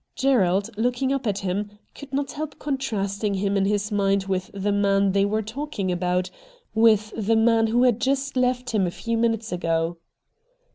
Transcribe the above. Gerald, looking up at him, could not help contrasting him in his mind with the man they were talking about, with the man who had just left him a few minutes ago.